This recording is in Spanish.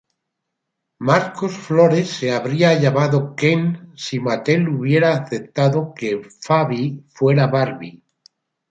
Marcos Flores se habría llamado Ken si Mattel hubiera aceptado que Faby fuera Barbie.